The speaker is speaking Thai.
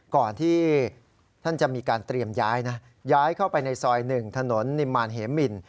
ก่อนที่ท่านจะมีการเตรียมย้ายนะย้ายเข้าไปในซอย๑ถนนนิมมารเหมิน